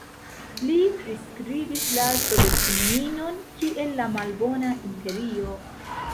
Li priskribis la Sovetunion kiel "la malbona imperio".